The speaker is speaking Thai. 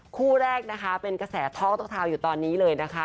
คู่แรกนะคะเป็นกระแสท้องต้องทาวน์อยู่ตอนนี้เลยนะคะ